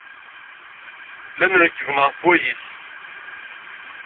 Llan rekkben ɣef wayis.